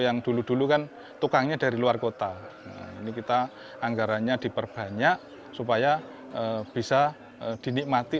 yang dulu dulu kan tukangnya dari luar kota ini kita anggarannya diperbanyak supaya bisa dinikmati